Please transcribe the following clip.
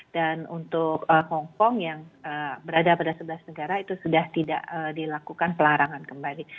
dan untuk hong kong yang berada pada sebelah negara itu sudah tidak dilakukan pelarangan kembali